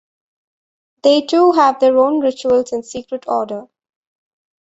They too have their own rituals and secret order.